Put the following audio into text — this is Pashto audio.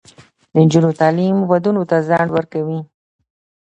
د نجونو تعلیم ودونو ته ځنډ ورکوي.